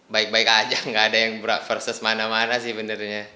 baik baik aja nggak ada yang versus mana mana sih benernya